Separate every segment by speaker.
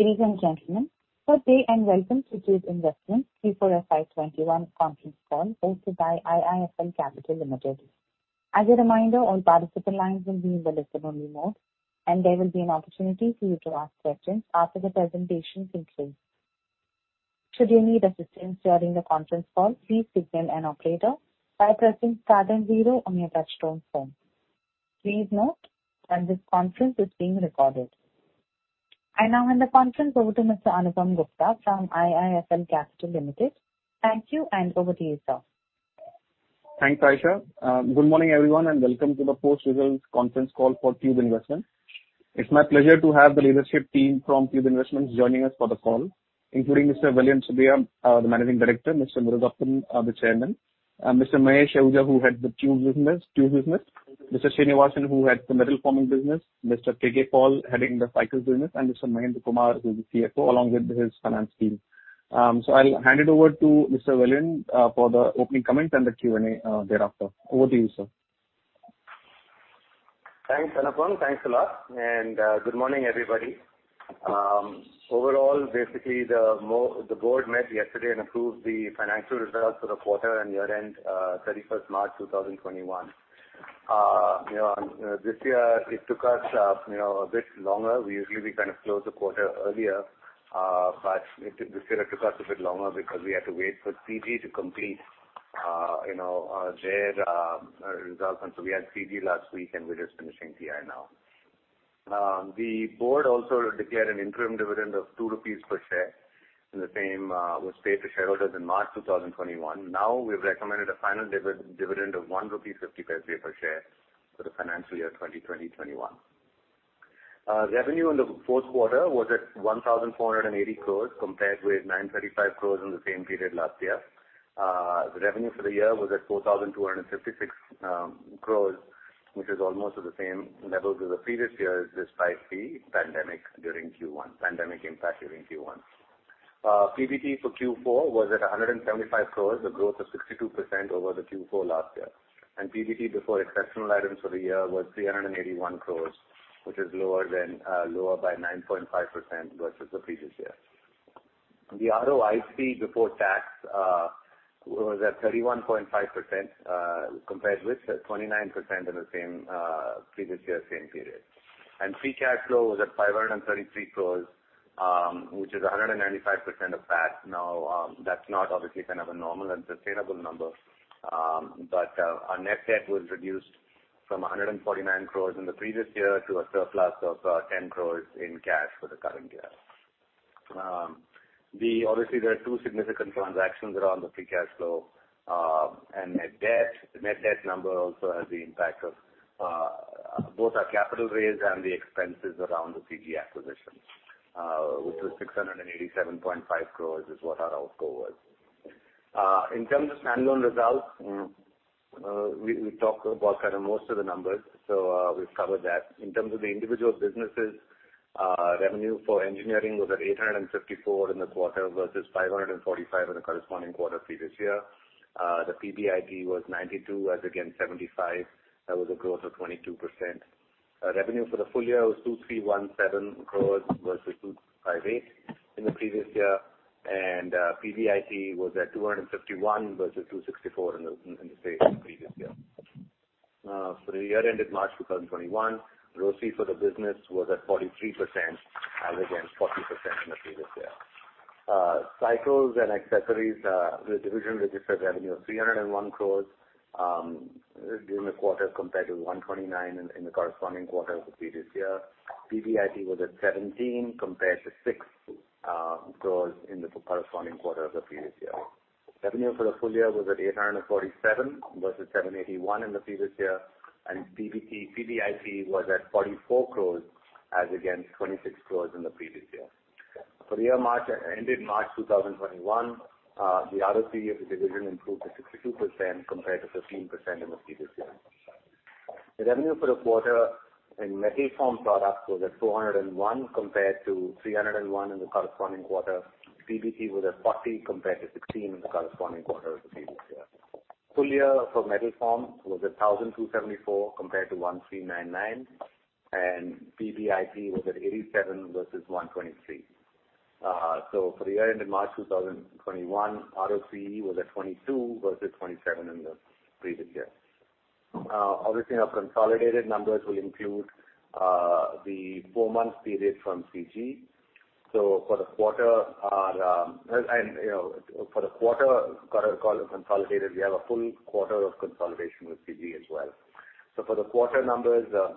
Speaker 1: Ladies and gentlemen, good day and welcome to Tube Investments Q4 FY 2021 conference call hosted by IIFL Capital Limited. As a reminder, all participant lines will be in the listen-only mode, and there will be an opportunity for you to ask questions after the presentation concludes. Should you need assistance during the conference call, please signal an operator by pressing star then zero on your touchtone phone. Please note that this conference is being recorded. I now hand the conference over to Mr. Anupam Gupta from IIFL Capital Limited. Thank you, and over to you, sir.
Speaker 2: Thanks, Aisha. Good morning, everyone, and welcome to the post-results conference call for Tube Investments. It's my pleasure to have the leadership team from Tube Investments joining us for the call, including Mr. Vellayan Subbiah, our Managing Director; Mr. M. M. Murugappan, our Chairman; Mr. Mukesh Ahuja, who heads the Tube Business; Mr. K. R. Srinivasan, who heads the Metal Forming Business; Mr. Kalyan Kumar Paul, heading the Cycles Business; and Mr. K. Mahendra Kumar, who is the CFO, along with his finance team. I'll hand it over to Mr. Vellayan for the opening comments and the Q&A thereafter. Over to you, sir.
Speaker 3: Thanks, Anupam. Thanks a lot, and good morning, everybody. Overall, the board met yesterday and approved the financial results for the quarter and year end 31st March 2021. This year it took us a bit longer. Usually, we close the quarter earlier, but this year it took us a bit longer because we had to wait for CG to complete their results. We had CG last week, and we're just finishing TI now. The board also declared an interim dividend of 2 rupees per share, and the same was paid to shareholders in March 2021. We've recommended a final dividend of 1.50 rupee per share for the financial year 2020/21. Revenue in the fourth quarter was at 1,480 crores compared with 935 crores in the same period last year. Revenue for the year was at 4,256 crores, which is almost at the same levels as the previous year despite the pandemic impact during Q1. PBT for Q4 was at 175 crores, a growth of 62% over the Q4 last year. PBT before exceptional items for the year was 381 crores, which is lower by 9.5% versus the previous year. The ROIC before tax was at 31.5% compared with the 29% in the previous year same period. Free cash flow was at 533 crores, which is 195% of PAT. That's not obviously a normal and sustainable number. Our net debt was reduced from 149 crores in the previous year to a surplus of 10 crores in cash for the current year. There are two significant transactions around the free cash flow and net debt. Net debt number also has the impact of both our capital raise and the expenses around the CG acquisition, which was 687.5 crores is what our outflow was. In terms of standalone results, we talked about most of the numbers, so we've covered that. In terms of the individual businesses, revenue for engineering was at 854 in the quarter versus 545 in the corresponding quarter previous year. The PBIT was 92 as against 75. That was a growth of 22%. Revenue for the full year was 2,317 crores versus 2,058 in the previous year, and PBIT was at 251 versus 264 in the same previous year. For the year ended March 2021, ROCE for the business was at 43% as against 40% in the previous year. Cycles and accessories division registered revenue of 301 crores during the quarter compared to 129 in the corresponding quarter of the previous year. PBIT was at 17 crores compared to 6 crores in the corresponding quarter of the previous year. Revenue for the full year was at 847 crores versus 781 crores in the previous year, and PBIT was at 44 crores as against 26 crores in the previous year. For the year ended March 2021, the ROCE of the division improved to 62% compared to 15% in the previous year. The revenue for the quarter in Metal Forming Business was at 201 crores compared to 301 crores in the corresponding quarter. PBT was at 40 crores compared to 16 crores in the corresponding quarter of the previous year. Full year for Metal Forming Business was 1,274 crores compared to 1,399 crores, and PBIT was at 87 crores versus 123 crores. For the year ended March 2021, ROCE was at 22% versus 27% in the previous year. Obviously, our consolidated numbers will include the four-month period from CG. For the quarter consolidated, we have a full quarter of consolidation with CG as well. For the quarter numbers, the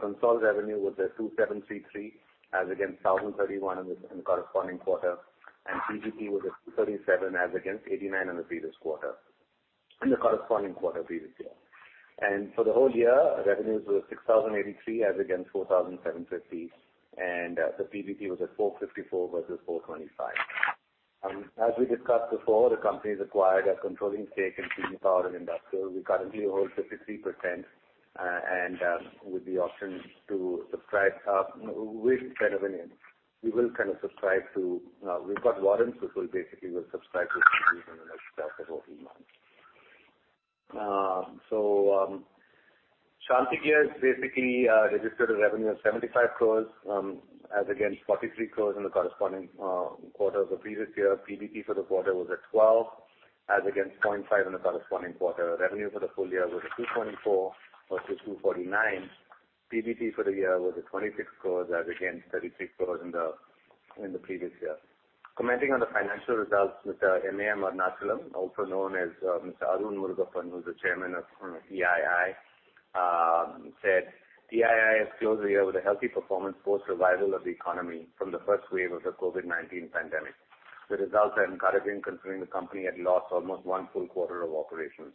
Speaker 3: consolidated revenue was at 273 as against 1,031 in the corresponding quarter, and PBT was at 237 as against 89 in the corresponding quarter previous year. For the whole year, revenues were 6,083 as against 4,750, and the PBT was at 454 versus 425. As we discussed before, the company has acquired a controlling stake in CG Power and Industrial Solutions. We currently hold 53% and with the option to subscribe with certain limits, we will subscribe to. We've got warrants, which will basically subscribe to 50% in the next 12 to 18 months. Shanthi Gears basically registered a revenue of 75 crores as against 43 crores in the corresponding quarter of the previous year. PBT for the quarter was at 12 as against 0.5 in the corresponding quarter. Revenue for the full year was 224 versus 249. PBT for the year was at 26 crores as against 36 crores in the previous year. Commenting on the financial results, Mr. M.A. Arunachalam, also known as Mr. Arun Murugappan, who's the chairman of TII, said, "TII has closed the year with a healthy performance post revival of the economy from the first wave of the COVID-19 pandemic. The results are encouraging considering the company had lost almost one full quarter of operations.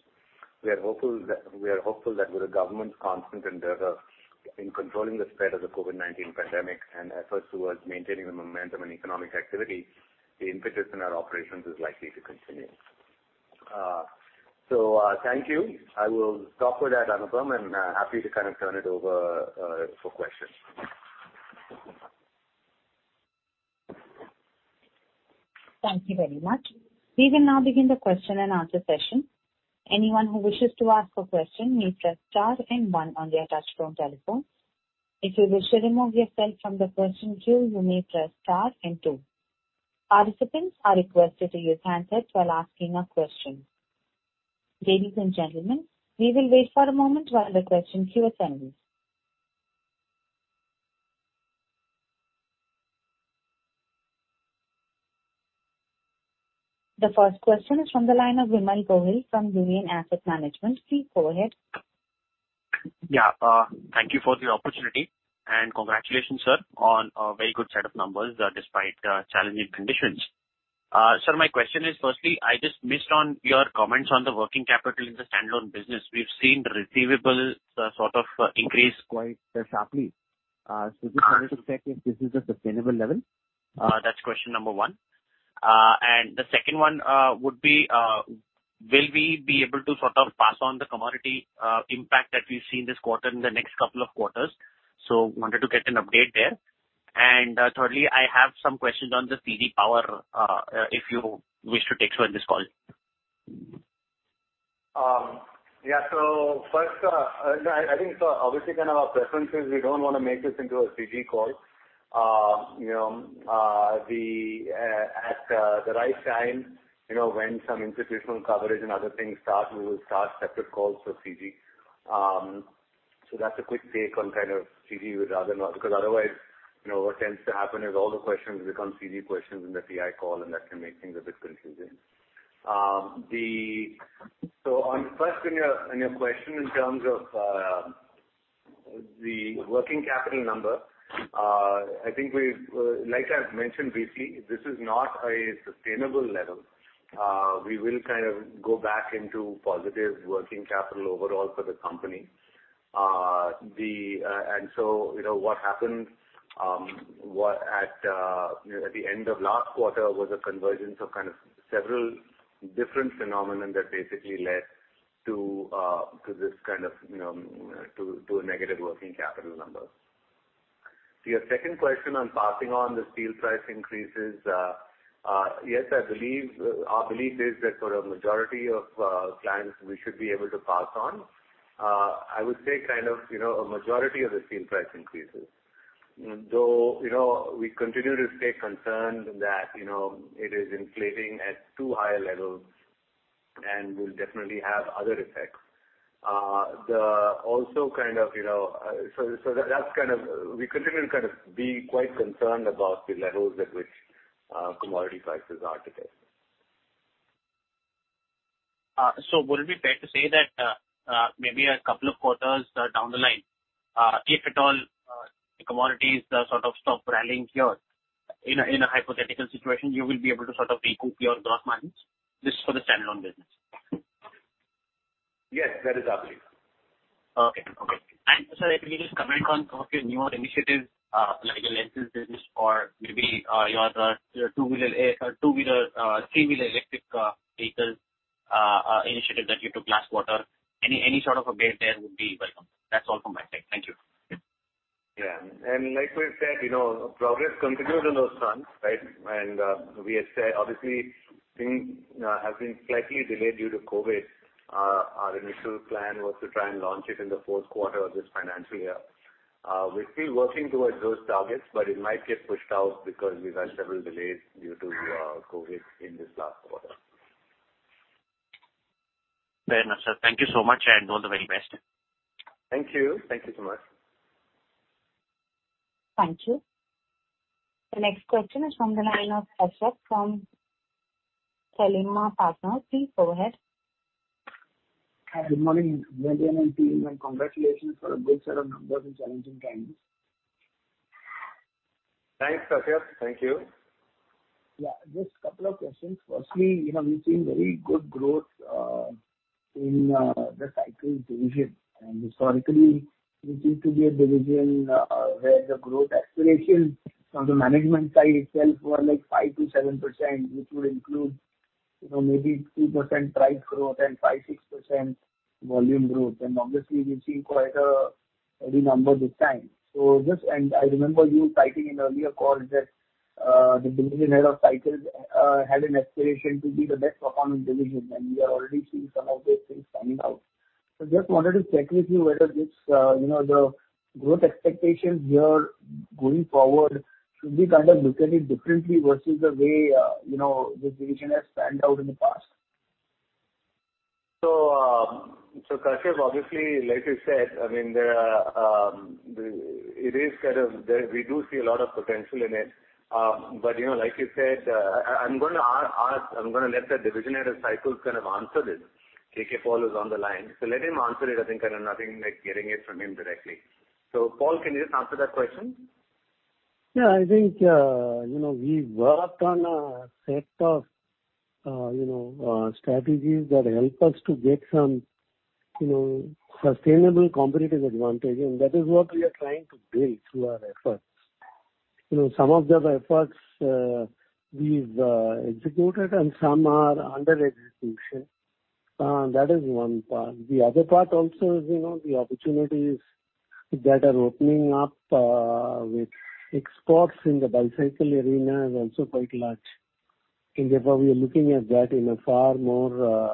Speaker 3: We are hopeful that with the government's constant endeavor in controlling the spread of the COVID-19 pandemic and efforts towards maintaining the momentum in economic activity, the impetus in our operations is likely to continue." Thank you. I will stop with that, Anupam, and happy to turn it over for questions.
Speaker 1: Thank you very much. We will now begin the question and answer session. Participants are requested to use handsets while asking a question. Ladies and gentlemen, we will wait for a moment while the questions queue is ending. The first question is from the line of Vimal Pahuja from Union Asset Management Company. Please go ahead.
Speaker 4: Yeah. Thank you for the opportunity and congratulations, sir, on a very good set of numbers despite challenging conditions. Sir, my question is, firstly, I just missed on your comments on the working capital in the standalone business. We've seen the receivables increase quite sharply. Just wanted to check if this is a sustainable level. That's question number one. The second one would be, will we be able to pass on the commodity impact that we've seen this quarter in the next couple of quarters? Wanted to get an update there. Thirdly, I have some questions on the CG Power, if you wish to take during this call.
Speaker 3: Yeah. First, I think obviously our preference is we don't want to make this into a CG call. At the right time, when some institutional coverage and other things start, we will start separate calls for CG. That's a quick take on CG. Otherwise, what tends to happen is all the questions become CG questions in the TI call, and that can make things a bit confusing. On the first thing, your question in terms of the working capital number, like I've mentioned, basically, this is not a sustainable level. We will go back into positive working capital overall for the company. What happened at the end of last quarter was a convergence of several different phenomenon that basically led to a negative working capital number. Your second question on passing on the steel price increases. Yes, our belief is that for a majority of clients, we should be able to pass on, I would say, a majority of the steel price increases. Though, we continue to stay concerned that it is inflating at too high a level and will definitely have other effects. We continue to be quite concerned about the levels at which commodity prices are today.
Speaker 4: Would it be fair to say that maybe a couple of quarters down the line, if at all commodities stop rallying here, in a hypothetical situation, you will be able to recoup your gross margins? This is for the standalone business.
Speaker 3: Yes, that is our view.
Speaker 4: Okay. Sir, if you can just comment on your newer initiatives like your lenses business or maybe your three-wheeler electric vehicle initiative that you took last quarter. Any sort of update there would be welcome. That's all from my side. Thank you.
Speaker 3: Yeah. Like we've said, progress continues on those fronts. We have said, obviously things have been slightly delayed due to COVID-19. Our initial plan was to try and launch it in the fourth quarter of this financial year. We're still working towards those targets, but it might get pushed out because we've had several delays due to COVID-19 in this last quarter.
Speaker 4: Very nice, sir. Thank you so much and all the very best.
Speaker 3: Thank you. Thank you so much.
Speaker 1: Thank you. The next question is from the line of Satya from Celina Partners. Please go ahead.
Speaker 5: Good morning, Vimal and team, and congratulations on a good set of numbers in challenging times.
Speaker 3: Thanks, Satya. Thank you.
Speaker 5: Yeah. Just a couple of questions. Firstly, we have been seeing very good growth in the Cycles division. Historically, this used to be a division where the growth aspirations from the management side itself were 5%-7%, which would include maybe 2% price growth and 5%-6% volume growth. Obviously, we've seen quite a heavy number this time. I remember you citing in earlier calls that the division head of cycles had an aspiration to be the best performing division, and we are already seeing some of those things pan out. I just wanted to check with you whether the growth expectations here going forward should be kind of looked at differently versus the way the division has panned out in the past.
Speaker 3: Kashyap, obviously, like you said, we do see a lot of potential in it. Like you said, I'm going to let the division head of cycles answer this. K. K. Paul is on the line, so let him answer it. I think there's nothing like hearing it from him directly. Paul, can you just answer that question?
Speaker 6: Yeah, I think we worked on a set of strategies that help us to get some sustainable competitive advantage, and that is what we are trying to build through our efforts. Some of those efforts we've executed, and some are under execution. That is one part. The other part also is the opportunities that are opening up with exports in the bicycle arena is also quite large. Therefore, we are looking at that in a far more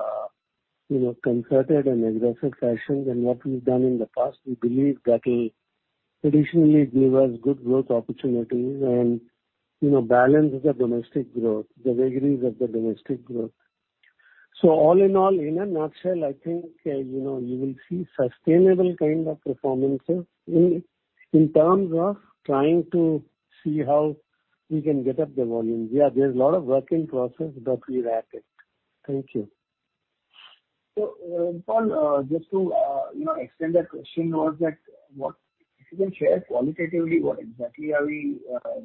Speaker 6: concerted and aggressive fashion than what we've done in the past. We believe that'll additionally give us good growth opportunities and balance the degrees of the domestic growth. All in all, in a nutshell, I think you will see sustainable kind of performances in terms of trying to see how we can get up the volume. Yeah, there's a lot of work in process, but we're at it.
Speaker 5: Thank you. Paul, just to extend that question was that if you can share qualitatively what exactly are we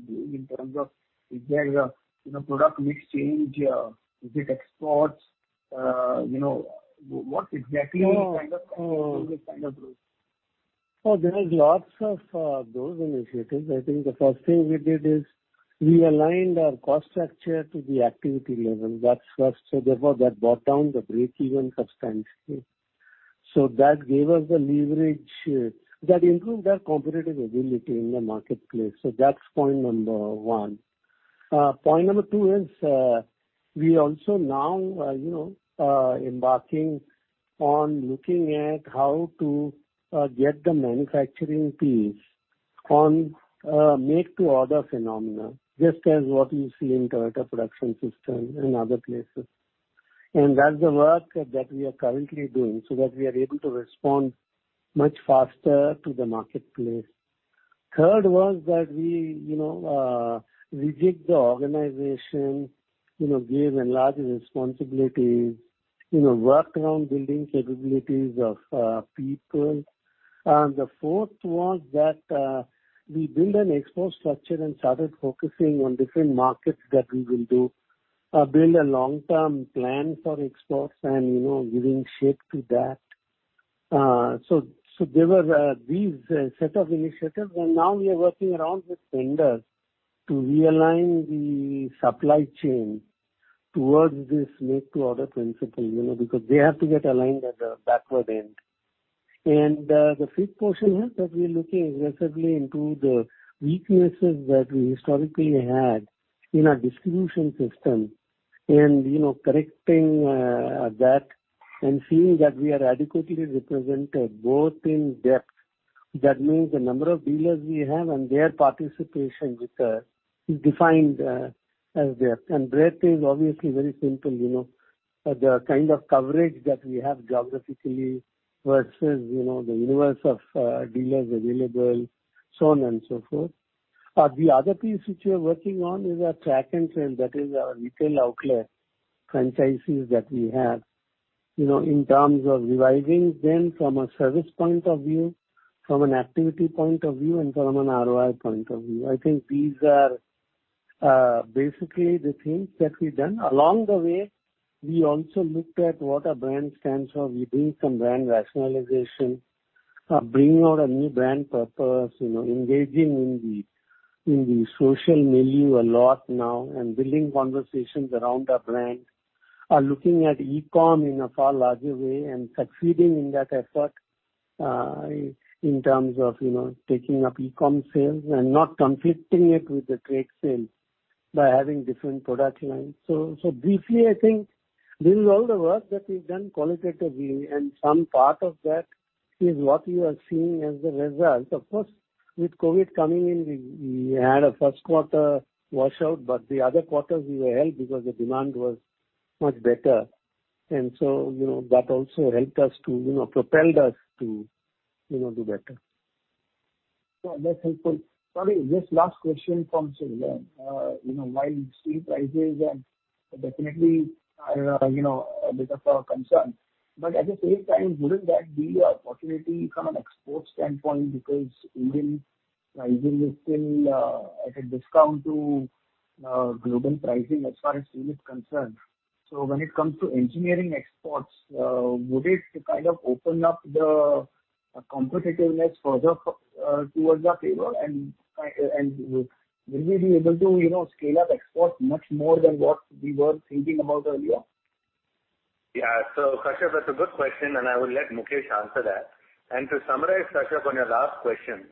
Speaker 5: doing in terms of, is there a product mix change, is it exports? What exactly is the kind of growth?
Speaker 6: There is lots of those initiatives. I think the first thing we did is we aligned our cost structure to the activity level. Therefore, that brought down the break-even substantially. That gave us the leverage that improved our competitive ability in the marketplace. That's point number one. Point number two is we also now embarking on looking at how to get the manufacturing piece on a make-to-order phenomenon, just as what you see in Toyota Production System and other places. That's the work that we are currently doing so that we are able to respond much faster to the marketplace. Third was that we rejigged the organization, gave enlarged responsibilities, worked around building capabilities of people. The fourth was that we build an export structure and started focusing on different markets that we will do, build a long-term plan for exports and giving shape to that. There were these set of initiatives, and now we are working around with vendors to realign the supply chain towards this make-to-order principle, because they have to get aligned at the backward end. The fifth portion is that we're looking aggressively into the weaknesses that we historically had in our distribution system and correcting that and seeing that we are adequately represented both in depth. That means the number of dealers we have and their participation is defined as depth. Breadth is obviously very simple, the kind of coverage that we have geographically versus the universe of dealers available, so on and so forth. The other piece which we are working on is our Track & Trail. That is our retail outlet franchises that we have. In terms of revising them from a service point of view, from an activity point of view, and from an ROI point of view. I think these are basically the things that we've done. Along the way, we also looked at what our brand stands for. We did some brand rationalization, bringing out a new brand purpose, engaging in the social milieu a lot now and building conversations around our brand, looking at e-com in a far larger way and succeeding in that effort in terms of taking up e-com sales and not conflicting it with the trade sales by having different product lines. Briefly, I think this is all the work that we've done qualitatively, and some part of that is what you are seeing as a result. Of course, with COVID coming in, we had a first quarter washout, but the other quarters we were helped because the demand was much better. That also propelled us to do better.
Speaker 5: That's helpful. Sorry, this last question comes in. While we see prices and definitely a bit of a concern, at the same time, wouldn't that be an opportunity from an export standpoint because Indian pricing is still at a discount to global pricing as far as India is concerned? When it comes to engineering exports, would it kind of open up the competitiveness further towards our favor? Will we be able to scale up exports much more than what we were thinking about earlier?
Speaker 3: Yeah. Kashyap, that's a good question, and I will let Mukesh answer that. To summarize, Kashyap, on your last question.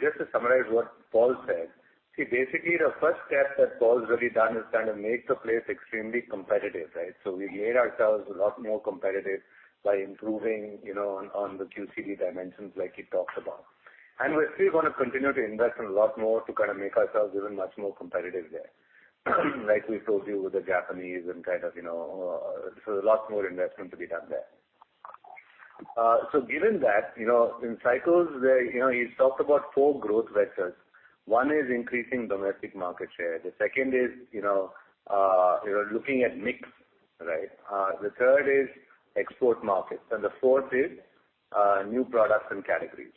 Speaker 3: Just to summarize what Paul said. Basically, the first step that Paul's already done is to make the place extremely competitive. We made ourselves a lot more competitive by improving on the QCD dimensions like he talked about. We're still going to continue to invest a lot more to make ourselves even much more competitive there, like we told you with the Japanese and so a lot more investment to be done there. Given that, in Cycles he talked about four growth vectors. One is increasing domestic market share, the second is looking at mix. The third is export markets, and the fourth is new products and categories.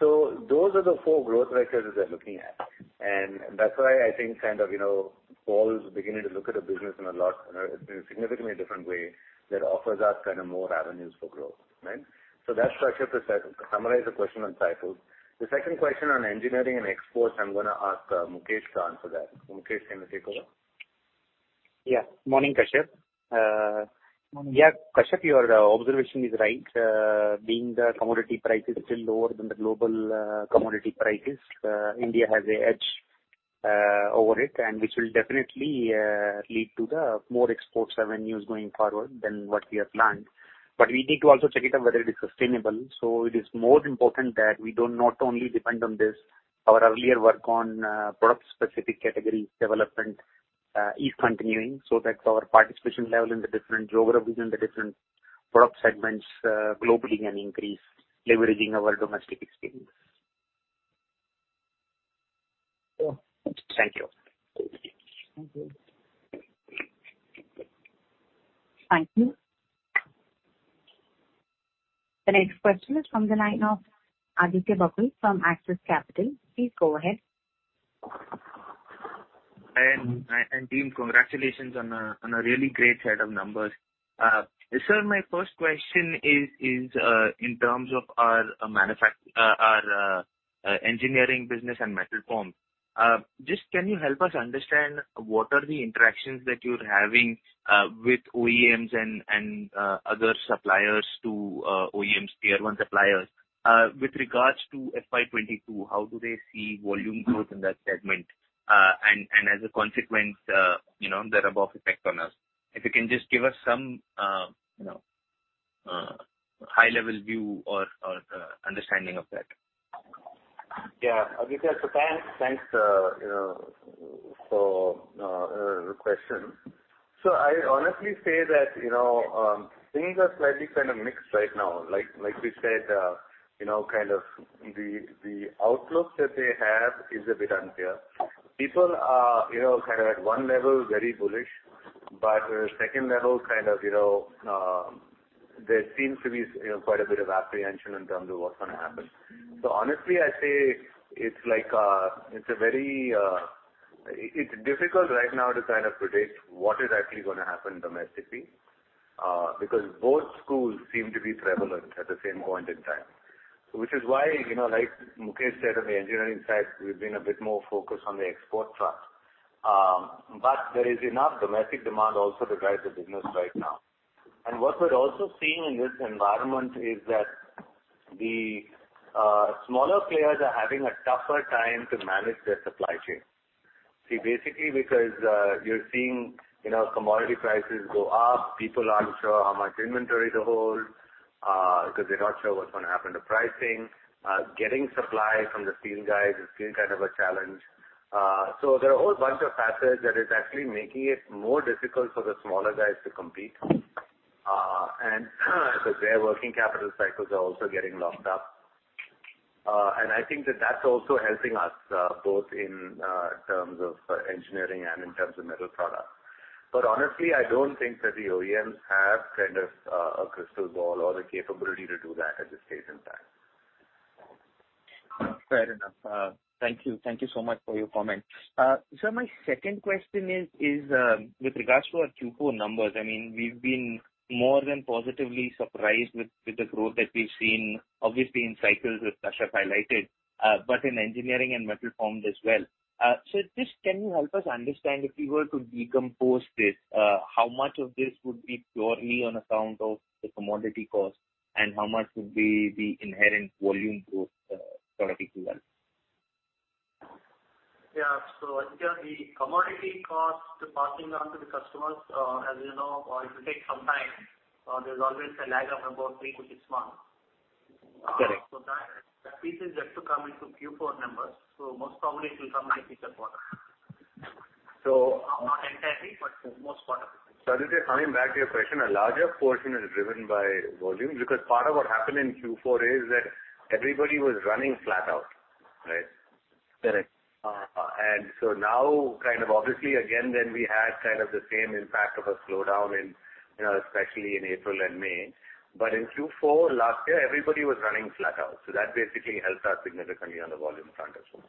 Speaker 3: Those are the fourth growth vectors that we're looking at. That's why I think Paul is beginning to look at the business in a significantly different way that offers us more avenues for growth. That's actually to summarize the question on Cycles. The second question on engineering and exports, I'm going to ask Mukesh to answer that. Mukesh, can you take over?
Speaker 7: Morning, Kashyap. Kashyap, your observation is right. Being that commodity price is still lower than the global commodity prices, India has an edge over it, and which will definitely lead to the more export revenues going forward than what we have planned. We need to also check it out whether it's sustainable. It is more important that we do not only depend on this. Our earlier work on product-specific category development is continuing, so that our participation level in the different geographies, in the different product segments globally can increase, leveraging our domestic experience.
Speaker 5: Cool.
Speaker 7: Thank you.
Speaker 3: Thank you.
Speaker 1: Thank you. The next question is from the line of Aditya Bagul from Axis Capital. Please go ahead.
Speaker 8: Hi, sir, and team, congratulations on a really great set of numbers. Sir, my first question is in terms of our engineering business and metal forms. Just can you help us understand what are the interactions that you're having with OEMs and other suppliers to OEMs, tier-1 suppliers with regards to FY 2022? How do they see volume growth in that segment and as a consequence, the rub-off effect on us? If you can just give us some high-level view or understanding of that.
Speaker 3: Yeah. Aditya, thanks for the question. I honestly say that things are slightly kind of mixed right now. Like we said, the outlook that they have is a bit unclear. People are at one level, very bullish, but second level, there seems to be quite a bit of apprehension in terms of what's going to happen. honestly, I'd say it's difficult right now to predict what is actually going to happen domestically because both schools seem to be prevalent at the same point in time. Which is why, like Mukesh said, on the engineering side, we've been a bit more focused on the export front. there is enough domestic demand also to drive the business right now. what we're also seeing in this environment is that the smaller players are having a tougher time to manage their supply chain. See, basically because you're seeing commodity prices go up, people aren't sure how much inventory to hold because they're not sure what's going to happen to pricing. Getting supply from the steel guys is still kind of a challenge. There are a whole bunch of factors that are actually making it more difficult for the smaller guys to compete. Their working capital cycles are also getting locked up. I think that that's also helping us both in terms of engineering and in terms of metal products. Honestly, I don't think that the OEMs have a crystal ball or the capability to do that at this stage in time.
Speaker 8: Fair enough. Thank you so much for your comment. Sir, my second question is with regards to our Q4 numbers. We've been more than positively surprised with the growth that we've seen, obviously in Cycles as Kashyap highlighted, but in engineering and metal forms as well. Just can you help us understand if you were to decompose this, how much of this would be purely on account of the commodity cost and how much would be the inherent volume growth separately to that?
Speaker 3: Yeah. Aditya, the commodity cost passing on to the customers, as you know, going to take some time. There is always a lag of about three to six months.
Speaker 8: Correct.
Speaker 3: That piece is yet to come into Q4 numbers. Most probably it will come maybe Q4.
Speaker 8: Not entirely, but most part.
Speaker 3: Aditya, coming back to your question, a larger portion is driven by volume because part of what happened in Q4 is that everybody was running flat out.
Speaker 8: Correct.
Speaker 3: Now, kind of obviously, again, then we had kind of the same impact of a slowdown especially in April and May. In Q4 last year, everybody was running flat out, so that basically helped us significantly on the volume front as well.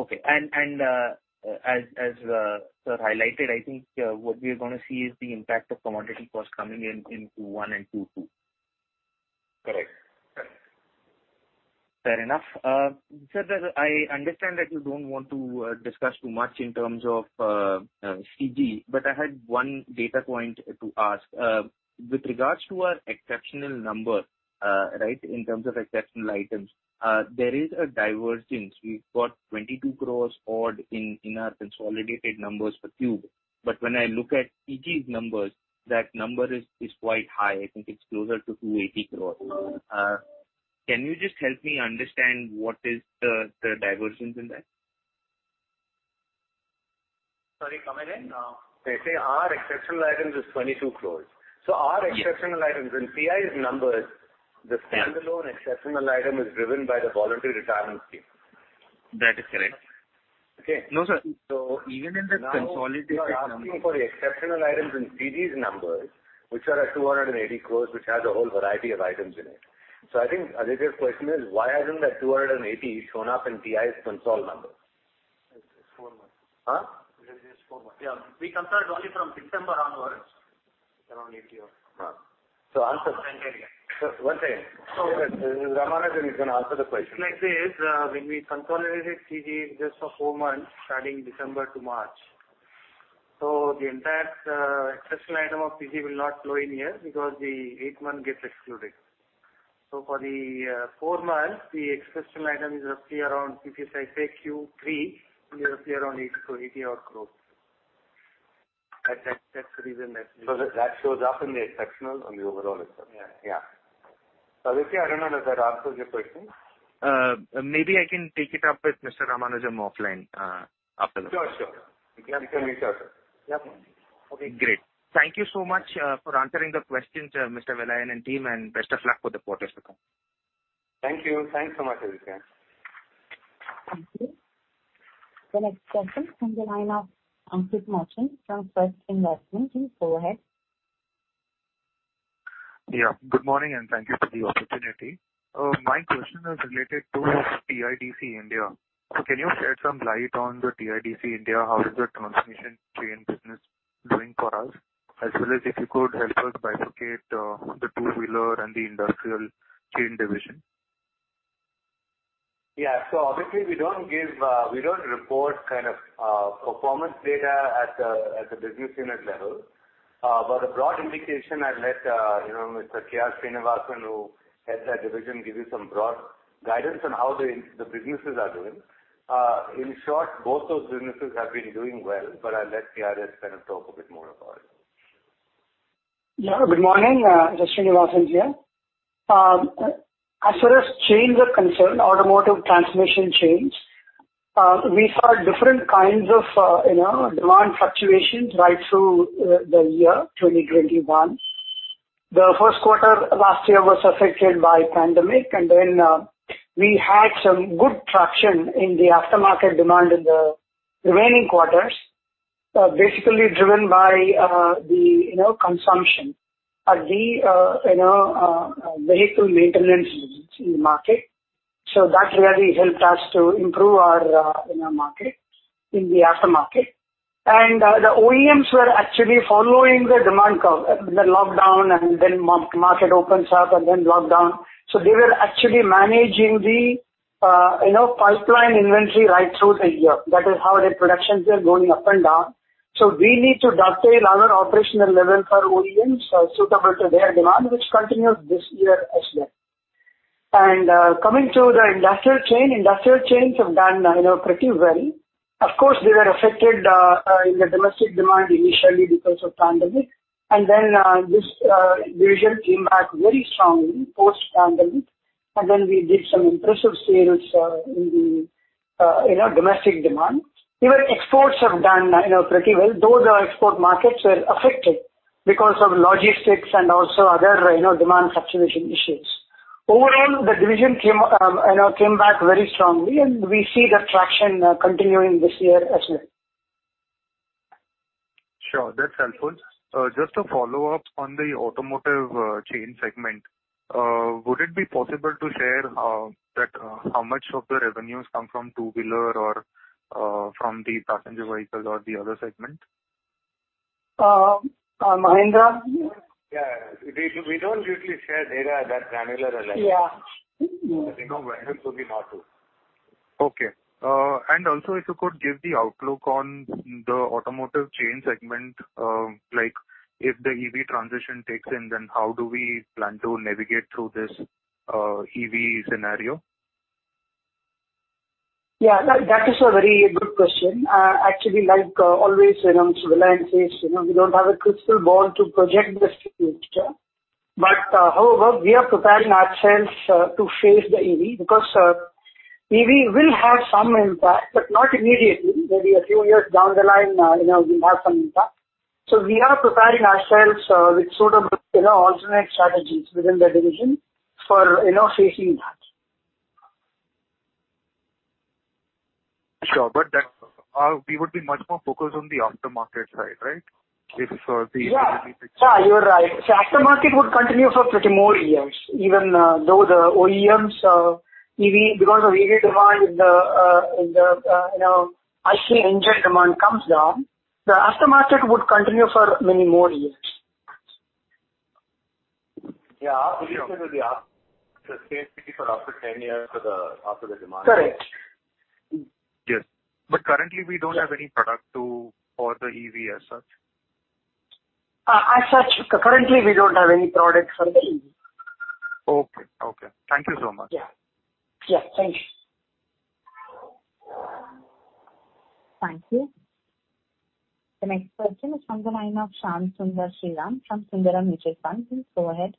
Speaker 8: Okay. As sir highlighted, I think what we're going to see is the impact of commodity cost coming in in Q1 and Q2.
Speaker 3: Correct.
Speaker 8: Fair enough. Sir, I understand that you don't want to discuss too much in terms of CG, I had one data point to ask. With regards to our exceptional number, in terms of exceptional items, there is a divergence. We've got 22 crores odd in our consolidated numbers for Q. When I look at CG's numbers, that number is quite high. I think it's closer to 280 crores. Can you just help me understand what is the divergence in that?
Speaker 3: Sorry, come again?
Speaker 8: No.
Speaker 3: I say our exceptional items is 22 crores. Our exceptional items in TI's numbers, the standalone exceptional item is driven by the voluntary retirement scheme.
Speaker 8: That is correct.
Speaker 3: Okay.
Speaker 8: No, sir. Even in the consolidated numbers-
Speaker 3: You are asking for the exceptional items in CG's numbers, which are 280 crores, which has a whole variety of items in it. I think Aditya's question is, why hasn't that 280 shown up in TI's consolidated numbers?
Speaker 9: It's four months.
Speaker 3: Huh?
Speaker 9: Because it is four months. We consolidated only from December onwards. Around 80 odd crores.
Speaker 3: Answer. One second. Ramanujam, you can answer the question.
Speaker 9: Things like this, when we consolidated CG just for four months starting December to March. The entire exceptional item of CG will not go in here because the eight months gets excluded. For the four months, the exceptional item is roughly around, if I take Q3, it will be around INR 80 odd crores. That's the reason.
Speaker 3: That shows up in the exceptional on the overall.
Speaker 9: Yeah.
Speaker 3: Yeah. Aditya, I don't know if that answers your question.
Speaker 8: Maybe I can take it up with Mr. Ramanujam offline.
Speaker 3: Sure. He can reach out.
Speaker 8: Yeah. Okay, great. Thank you so much for answering the questions, Mr. Vellayan and team, and best of luck with the quarter results.
Speaker 3: Thank you. Thanks a lot, Aditya.
Speaker 1: Thank you. The next question from the line of Ankit Nathan from First Invest Bank. You may go ahead.
Speaker 10: Yeah. Good morning, and thank you for the opportunity. My question is related to TIDC India. Can you shed some light on the TIDC India, how is the transmission chain business doing for us? As well as if you could as well bifurcate the two-wheeler and the industrial chain division.
Speaker 3: Obviously we don't report performance data at the business unit level. A broad indication, I'll let Mr. K. R. Srinivasan, who heads that division, give you some broad guidance on how the businesses are doing. In short, both those businesses have been doing well, I'll let K R talk a bit more about it.
Speaker 11: Good morning. K. R. Srinivasan here. As far as chains are concerned, automotive transmission chains, we saw different kinds of demand fluctuations right through the year 2021. The first quarter last year was affected by pandemic, and then we had some good traction in the aftermarket demand in the remaining quarters. Basically driven by the consumption at the vehicle maintenance in the market. That really helped us to improve our market in the aftermarket. The OEMs were actually following the demand curve, the lockdown, and then market opens up and then lockdown. They were actually managing the pipeline inventory right through the year. That is how their production was going up and down. We need to dovetail our operational level for OEMs suitable to their demand, which continued this year as well. Coming to the industrial chain. Industrial chains have done pretty well. Of course, they were affected in the domestic demand initially because of pandemic. This division came back very strongly post-pandemic, and then we did some impressive sales in the domestic demand. Even exports have done pretty well, though the export markets were affected because of logistics and also other demand fluctuation issues. Overall, the division came back very strongly, and we see the traction continuing this year as well.
Speaker 10: Sure. That's helpful. Just a follow-up on the automotive chain segment. Would it be possible to share how much of the revenues come from two-wheeler or from the passenger vehicle or the other segment?
Speaker 11: Anirudh?
Speaker 3: Yeah. We don't usually share data at that granular a level.
Speaker 11: Yeah.
Speaker 3: I think Anirudh will be able to.
Speaker 10: Okay. Also, if you could give the outlook on the automotive chain segment, like if the EV transition takes in, then how do we plan to navigate through this EV scenario?
Speaker 11: Yeah, that is a very good question. Actually, like always, as Vellayan says, we don't have a crystal ball to project this future. However, we are preparing ourselves to face the EV because EV will have some impact, but not immediately. Maybe a few years down the line it will have some impact. We are preparing ourselves with sort of alternate strategies within the division for facing that.
Speaker 10: Sure. We would be much more focused on the aftermarket side, right?
Speaker 11: Yeah. You are right. Aftermarket would continue for pretty more years, even though the OEMs EV, because of EV demand, the IC engine demand comes down. The aftermarket would continue for many more years.
Speaker 3: Yeah. Obviously, there'll be after 10 years after the demand.
Speaker 7: Correct.
Speaker 3: Yes. Currently, we don't have any product for the EV as such.
Speaker 7: As such, currently, we don't have any product for EV.
Speaker 10: Okay. Thank you so much.
Speaker 7: Yeah. Thanks.
Speaker 1: Thank you. The next question is on the line of Shyam Sundar Sriram. Shyam Sundaram Mutual Fund, please go ahead.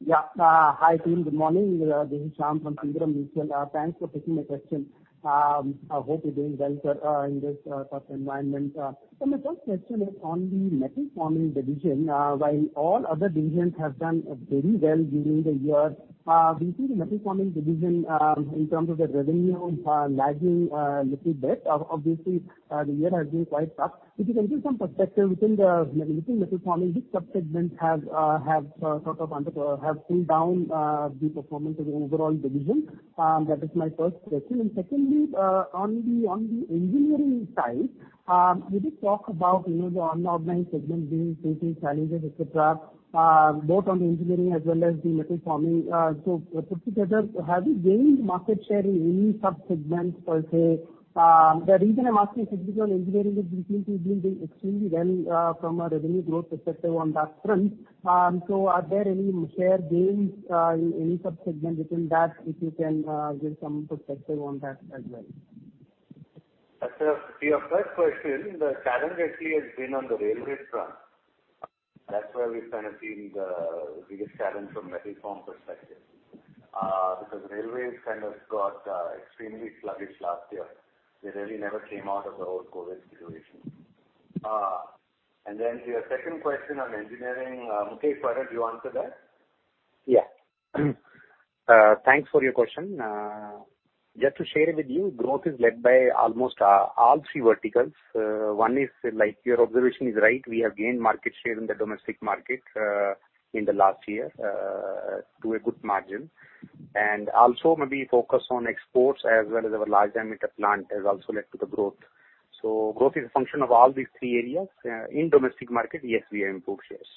Speaker 12: Yeah. Hi, team. Good morning. This is Shyam from Sundaram Mutual. Thanks for taking my question. I hope you're doing well, sir, in this tough environment. Sir, my first question is on the Metal Forming Division. While all other divisions have done very well during the year, we've seen the Metal Forming Division in terms of the revenue lagging a little bit. Obviously, the year has been quite tough. If you can give some perspective within the Metal Forming, which sub-segment has pulled down the performance of the overall division? That is my first question. Secondly, on the engineering side, you did talk about the online segment being facing challenges, et cetera, both on engineering as well as the Metal Forming. Put together, have you gained market share in any sub-segments per se? The reason I'm asking is because engineering has recently been doing extremely well from a revenue growth perspective on that front. Are there any share gains in any sub-segment within that? If you can give some perspective on that as well.
Speaker 3: Sir, the first question, the challenge actually has been on the railway front. That's where we've seen the biggest challenge from Metal Forming perspective because railways got extremely sluggish last year. They really never came out of the whole COVID-19 situation. Your second question on engineering, Mukesh or Varun, do you answer that?
Speaker 7: Yeah. Thanks for your question. Just to share with you, growth is led by almost all three verticals. One is, your observation is right, we have gained market share in the domestic market in the last year to a good margin. Maybe focus on exports as well as our large diameter plant has also led to the growth. Growth is a function of all these three areas. In domestic market, yes, we have improved shares.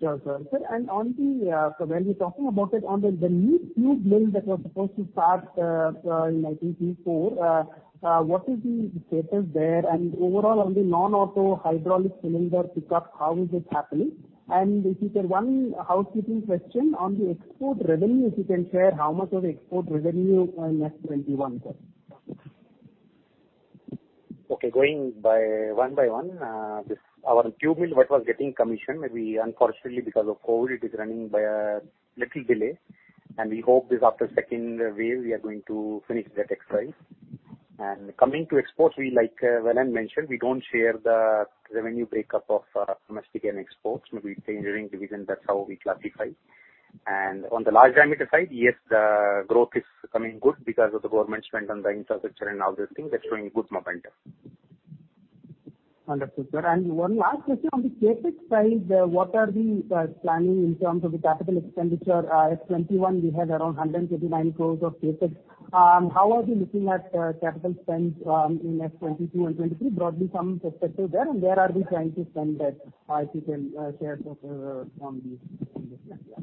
Speaker 12: Sure, sir. When you're talking about it on the new tube blade that you're supposed to start in 19.34, what is the status there? Overall, on the non-auto hydraulic cylinder pickup, how is it happening? If you can, one housekeeping question, on the export revenue, if you can share how much was export revenue in FY21?
Speaker 7: Okay, going one by one. Our tube mill work was getting commissioned. Unfortunately, because of COVID-19, it is running by a little delay, and we hope this after second wave, we are going to finish that exercise. Coming to exports, like Vellayan mentioned, we don't share the revenue breakup of domestic and exports. Maybe engineering division, that's how we classify. On the large diameter side, yes, the growth is coming good because of the government spend on the infrastructure and all these things are showing good momentum.
Speaker 12: Wonderful. One last question on the CapEx side, what are the planning in terms of the capital expenditure? FY 2021, we had around 159 crores of CapEx. How are you looking at capital spend in FY 2022 and FY 2023? Got some perspective there. Where are we trying to spend that? If you can share from the management.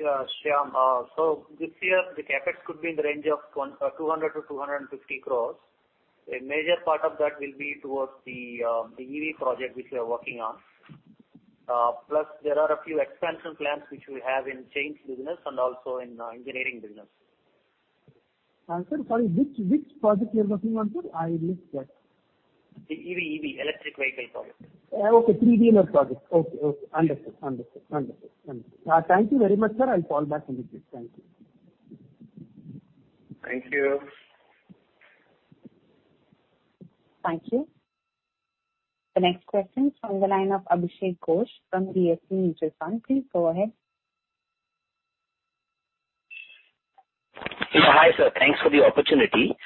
Speaker 3: Sure, Shyam. This year, the CapEx could be in the range of 200-250 crore. A major part of that will be towards the EV project which we are working on. Plus, there are a few expansion plans which we have in chain business and also in engineering business.
Speaker 12: Sir, sorry, which project you're working on, sir? I missed that.
Speaker 3: The EV, electric vehicle project.
Speaker 12: Okay. Three-wheeler project. Okay. Wonderful. Thank you very much, sir. I'll call back in a bit. Thank you.
Speaker 3: Thank you.
Speaker 1: Thank you. The next question is from the line of Abhishek Ghosh from DSP Mutual Fund. Please go ahead.
Speaker 13: Hi, sir. Thanks for the opportunity.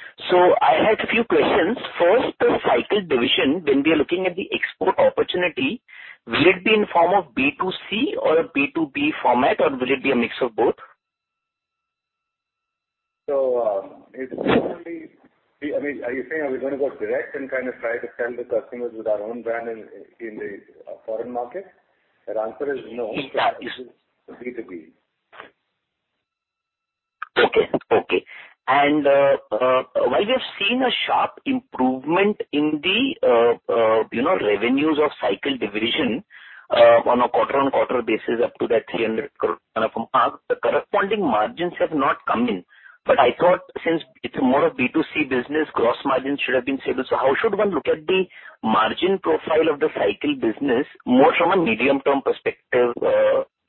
Speaker 13: I had a few questions. First, the cycle division, when we are looking at the export opportunity, will it be in form of B2C or a B2B format, or will it be a mix of both?
Speaker 3: Are you saying we're going to go direct and try to sell to customers with our own brand in the foreign market? The answer is no.
Speaker 13: Exactly.
Speaker 3: B2B.
Speaker 13: Okay. While you've seen a sharp improvement in the revenues of cycle division on a quarter-on-quarter basis up to that 300 crore mark, the corresponding margins have not come in. I thought since it's more a B2C business, gross margin should have been stable. How should one look at the margin profile of the cycle business more from a medium-term perspective?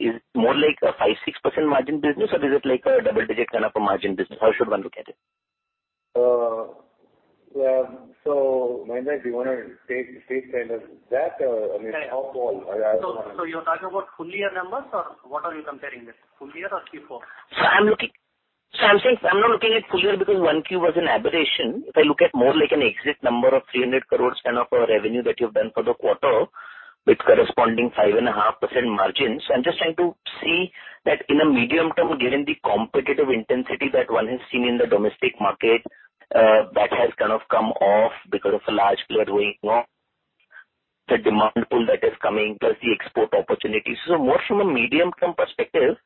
Speaker 13: Is it more like a 5%-6% margin business, or is it like a double-digit kind of a margin business? How should one look at it?
Speaker 3: Mynak, do you want to take that? Shyam, Paul?
Speaker 12: You're talking about full-year numbers, or what are you comparing with full year or Q4?
Speaker 13: I'm not looking at full year because 1 Q was an aberration. If I look at more like an exit number of 300 crore turnover revenue that you've done for the quarter with corresponding 5.5% margins, I'm just trying to see that in the medium term, given the competitive intensity that one is seeing in the domestic market. That has kind of come off because of the large player going off. The demand pool that is coming plus the export opportunities. What from a medium-term perspective,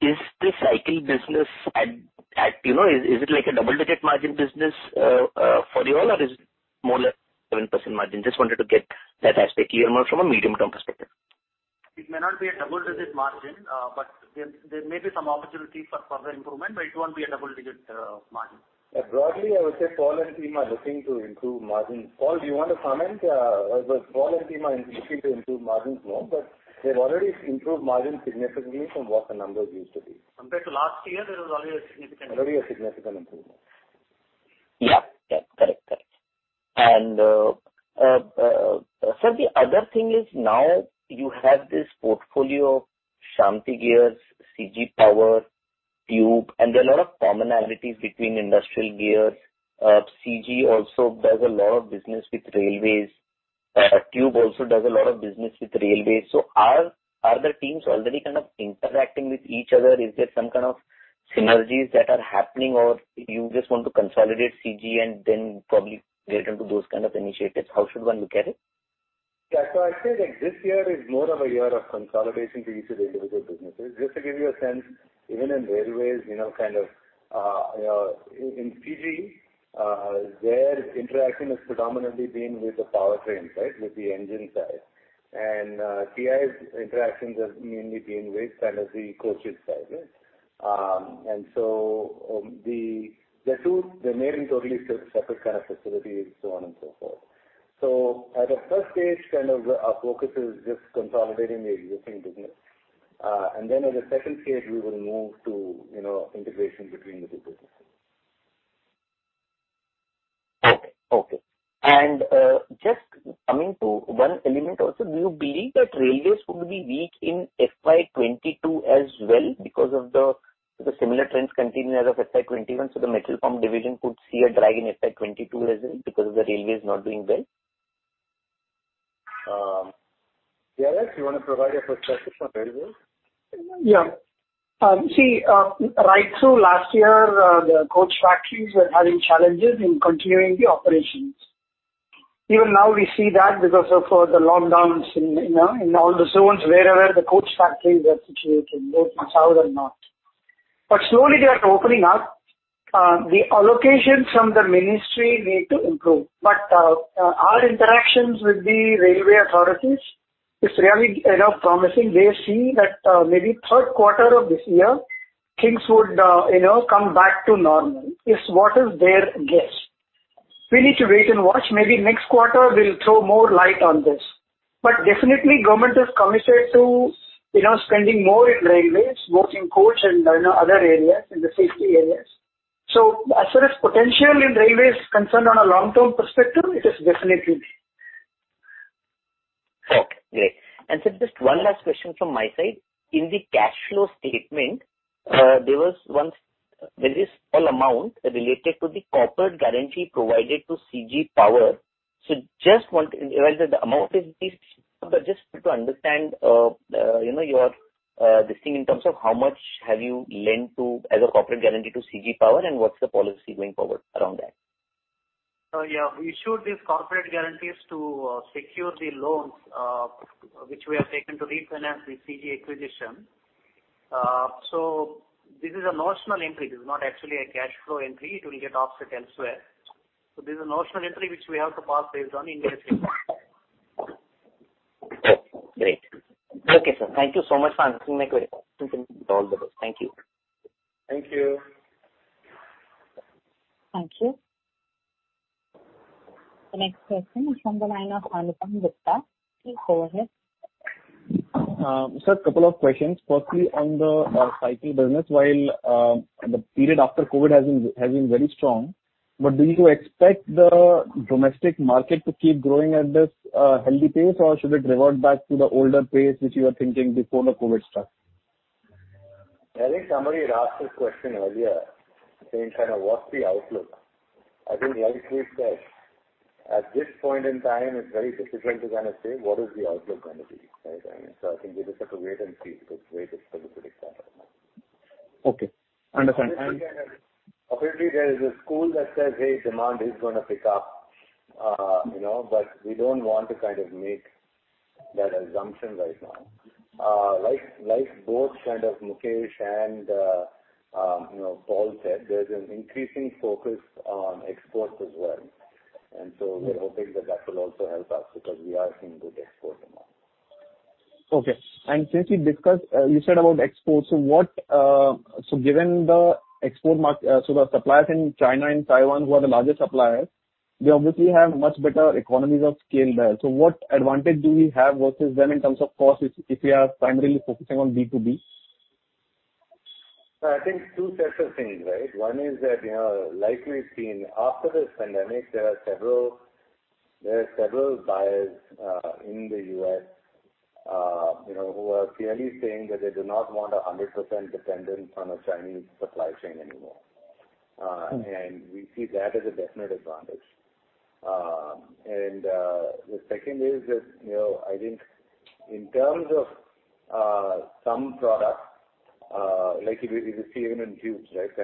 Speaker 13: is this TI business, is it like a double-digit margin business for you all or is it more like 7% margin? Just wanted to get that aspect from a medium-term perspective.
Speaker 3: It may not be a double-digit margin, but there may be some opportunity for further improvement, but it won't be a double-digit margin.
Speaker 13: Broadly, I would say Paul and team are looking to improve margin. Paul, do you want to comment? Paul and team are interested to improve margins more, but they've already improved margin significantly from what the numbers used to be.
Speaker 6: Compared to last year, there's already a significant improvement. Already a significant improvement.
Speaker 3: Yeah. Correct.
Speaker 13: Sir, the other thing is now you have this portfolio of Shanthi Gears, CG Power, Tube, and there are a lot of commonalities between industrial gears. CG also does a lot of business with railways. Tube also does a lot of business with railways. Are the teams already interacting with each other? Is there some kind of synergies that are happening or you just want to consolidate CG and then probably get into those kind of initiatives? How should one look at it?
Speaker 3: Yeah. I'd say that this year is more of a year of consolidating these individual businesses. Just to give you a sense, even in railways, in CG, their interaction has predominantly been with the powertrain, with the engine side. TI's interaction has mainly been with the coaches side. The main interface is at the staff facility and so on and so forth. At the first stage, our focus is just consolidating the existing business. In the second stage, we will move to integration between the two businesses.
Speaker 13: Okay. Just coming to one element also, do you believe that railways could be weak in FY 2022 as well because of the similar trends continuing out of FY 2021, so the Metal Form division could see a drag in FY 2022 as well because the railways is not doing well?
Speaker 3: DLF, you want to provide a perspective on railways?
Speaker 11: Yeah. See, right through last year, the coach factories were having challenges in continuing the operations. Even now we see that because of the lockdowns in all the zones, wherever the coach factories are situated, north, south or north. Slowly they are opening up. The allocations from the ministry need to improve. Our interactions with the railway authorities is really kind of promising. They're seeing that maybe third quarter of this year, things would come back to normal, is what is their guess. We need to wait and watch. Maybe next quarter will throw more light on this. Definitely government has committed to spending more in railways, both in coach and other areas, in the safety areas. As far as potentially railway is concerned on a long-term perspective, it is definitely there.
Speaker 13: Okay. Sir, just one last question from my side. In the cash flow statement, there is a small amount related to the corporate guarantee provided to CG Power. I know that the amount is pretty small, but just to understand your thinking in terms of how much have you lent as a corporate guarantee to CG Power and what's the policy going forward around that?
Speaker 3: We issued these corporate guarantees to secure the loans, which we have taken to refinance the CG acquisition. This is a notional entry. This is not actually a cash flow entry. It will get offset elsewhere. This is a notional entry which we have to pass based on Indian accounting standards.
Speaker 13: Okay. Great. Okay, sir. Thank you so much.
Speaker 3: Thank you.
Speaker 13: Thank you.
Speaker 1: Thank you. Next question is from the line of Anupam Gupta. Please go ahead.
Speaker 2: Sir, a couple of questions. Firstly, on the cycling business, while the period after COVID has been very strong, do you expect the domestic market to keep growing at this healthy pace, or should it revert back to the older pace, which you were thinking before the COVID start?
Speaker 3: I think somebody asked this question earlier, saying, "What's the outlook?" I think like we said, at this point in time, it's very difficult to say what is the outlook going to be. I think we just have to wait and see. It's way too early to comment.
Speaker 2: Okay. Understood.
Speaker 3: Obviously, there is a school that says, "Hey, demand is going to pick up." We don't want to make that assumption right now. Like both Mukesh and Paul said, there's an increasing focus on exports as well, and so we're hoping that will also help us because we are seeing good export demand.
Speaker 2: Okay. Sir, because you said about exports, given the export market, the suppliers in China and Taiwan who are the largest suppliers, they obviously have much better economies of scale there. What advantage do we have versus them in terms of costs if we are primarily focusing on B2B?
Speaker 3: I think two sets of things. One is that, like we've seen after this pandemic, there are several buyers in the U.S. who are clearly saying that they do not want 100% dependence on a Chinese supply chain anymore. We see that as a definite advantage. The second is that, I think in terms of some products, like you read in the CNN, right?